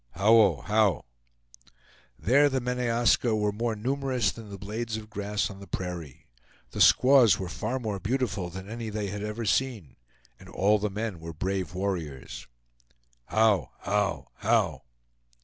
"Howo how!" "There the Meneaska were more numerous than the blades of grass on the prairie. The squaws were far more beautiful than any they had ever seen, and all the men were brave warriors." "How! how! how!"